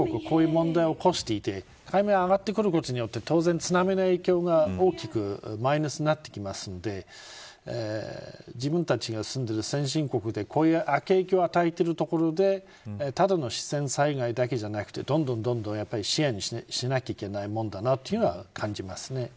こういう問題を起こしていて海面が上がってくることによって当然、津波の影響が大きくマイナスになってくるので自分たちが住んでいる先進国でこういう悪影響を与えているところでただの自然災害だけじゃなくてどんどん支援しなければいけないものだなと感じますね。